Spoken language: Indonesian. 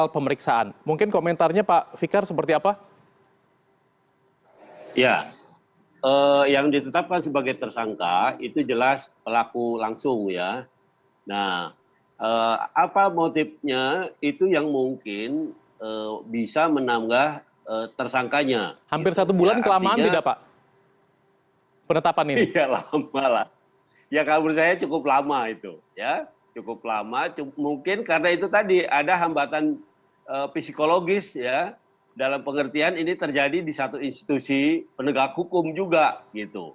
penyidiknya psikologis ya dalam pengertian ini terjadi di satu institusi penegak hukum juga gitu